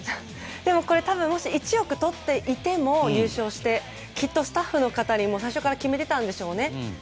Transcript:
多分、優勝して１億とっていてもきっとスタッフの方に最初に決めていたんでしょうね。